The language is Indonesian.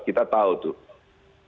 kita tahu tuh